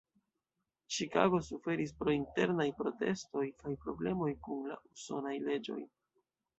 Ĉikago suferis pro internaj protestoj kaj problemoj kun la usonaj leĝoj.